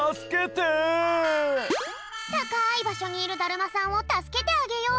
たかいばしょにいるだるまさんをたすけてあげよう。